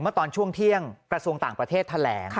เมื่อตอนช่วงเที่ยงกระทรวงต่างประเทศแถลง